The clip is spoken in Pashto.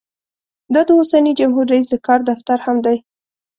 دا د اوسني جمهور رییس د کار دفتر هم دی.